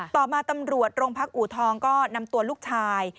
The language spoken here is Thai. ต่อมาตำรวจโรงพักอูทองก็นำตัวลูกชาย